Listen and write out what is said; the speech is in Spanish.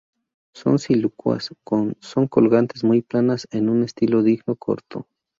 Su silicuas son colgantes, muy planas, en un estilo digno corto.